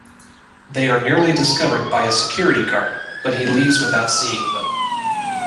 They are nearly discovered by a security guard, but he leaves without seeing them.